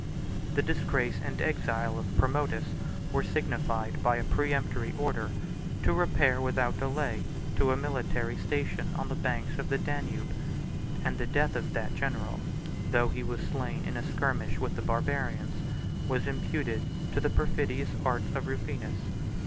The disgrace and exile of Promotus were signified by a peremptory order, to repair, without delay, to a military station on the banks of the Danube; and the death of that general (though he was slain in a skirmish with the Barbarians) was imputed to the perfidious arts of Rufinus.